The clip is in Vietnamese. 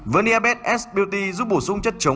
verniabed s beauty giúp bổ xuống sản phẩm hiệu quả